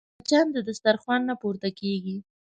مچان د دسترخوان نه پورته کېږي